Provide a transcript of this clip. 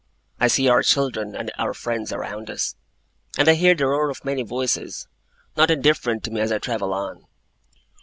I see our children and our friends around us; and I hear the roar of many voices, not indifferent to me as I travel on.